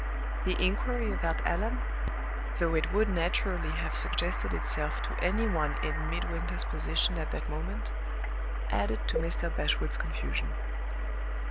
The inquiry about Allan, though it would naturally have suggested itself to any one in Midwinter's position at that moment, added to Mr. Bashwood's confusion.